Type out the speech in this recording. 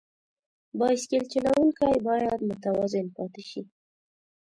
بایسکل چلوونکی باید متوازن پاتې شي.